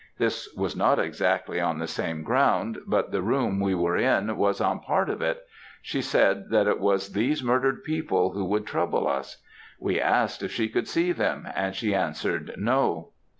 This was not exactly on the same ground, but the room we were in was on part of it. She said that it was these murdered people who would trouble us. We asked if she could see them, and she answered 'no.'